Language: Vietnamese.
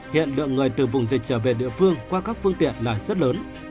hiện lượng người từ vùng dịch trở về địa phương qua các phương tiện là rất lớn